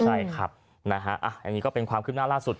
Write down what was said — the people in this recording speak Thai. ใช่ครับอันนี้ก็เป็นความคิดหน้าร่าสุด